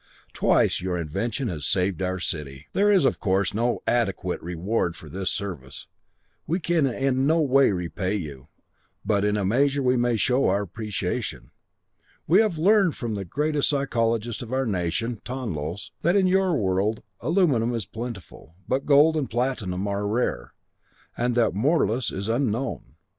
Twice your intervention has saved our city. "There is, of course, no adequate reward for this service; we can in no way repay you, but in a measure we may show our appreciation. We have learned from the greatest psychologist of our nation, Tonlos, that in your world aluminum is plentiful, but gold and platinum are rare, and that morlus is unknown.